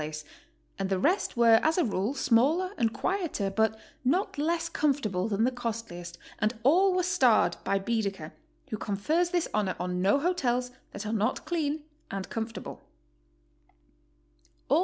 place, and the rest were as a rule smaller and quieter but not less comfortable than the costliest, and all were starred by Baedeker, who confers this honor on no hotels that are not clean and comfortable.